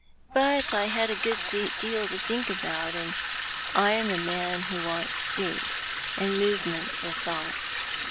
But I had a good deal to think about, and I am a man who wants space and movement for thought.